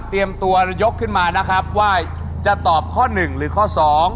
ครับเตรียมตัวยกขึ้นมานะครับว่าจะตอบข้อหนึ่งหรือข้อสอง